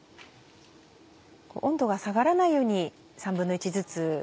温度が下がらないように１／３ずつ。